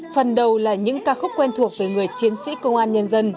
phần đầu là những ca khúc quen thuộc về người chiến sĩ công an nhân dân